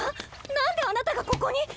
何であなたがここに？